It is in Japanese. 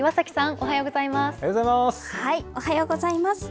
おはようございます。